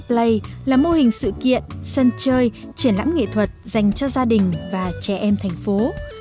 play là mô hình sự kiện sân chơi triển lãm nghệ thuật dành cho gia đình và trẻ em thành phố